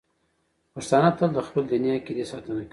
پښتانه تل د خپلې دیني عقیدې ساتنه کوي.